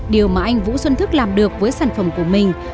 điều mà anh vũ xuân thức làm được với sản phẩm của mình